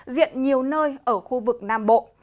diện nhiều nơi ở khu vực nam bộ